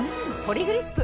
「ポリグリップ」